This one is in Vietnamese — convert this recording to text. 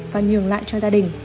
và nhường lại cho gia đình